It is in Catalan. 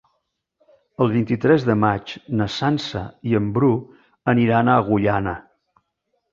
El vint-i-tres de maig na Sança i en Bru aniran a Agullana.